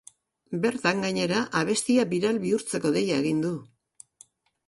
Bertan, gainera, abestia biral bihurtzeko deia egin du.